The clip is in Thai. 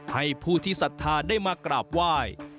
ให้ผู้ที่ศรัทธาได้มากราบไหว้